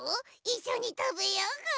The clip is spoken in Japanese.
いっしょにたべようぐ。